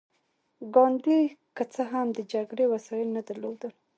ګاندي که څه هم د جګړې وسايل نه درلودل.